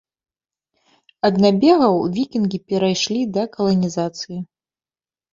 Ад набегаў вікінгі перайшлі да каланізацыі.